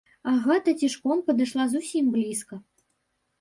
Агата цішком падышла зусім блізка.